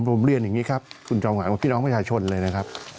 ผมเรียนอย่างนี้ครับคุณจอมขวัญของพี่น้องประชาชนเลยนะครับ